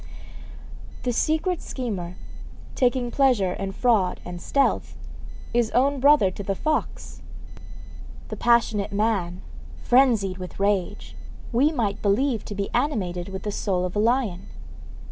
The secret schemer, taking pleasure in fraud and stealth, is own brother to the fox. The passionate man, phrenzied with rage, we might believe to be animated with the soul of a lion.